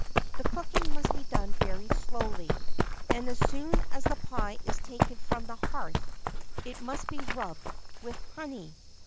The cooking must be done very slowly, and as soon as the pie is taken from the hearth, it must be rubbed with honey."